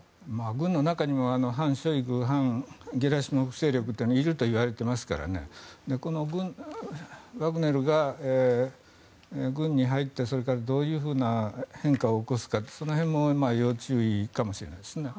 軍の中にも反ショイグ、反ゲラシモフ勢力はいるといわれていますからワグネルが軍に入ってどういうふうな変化を起こすかも要注意ですね。